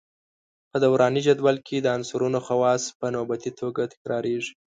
په دوراني جدول کې د عنصرونو خواص په نوبتي توګه تکراریږي.